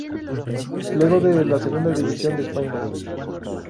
Lugo de la Segunda División de España.